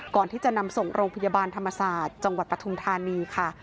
ก่อนที่จะนำส่งโรงพยาบาลธรรมศาสตร์จังหวัดปฐุมธานีค่ะ